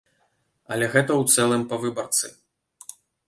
Але гэта ў цэлым па выбарцы.